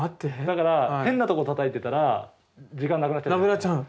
だから変なとこたたいてたら時間なくなっちゃう。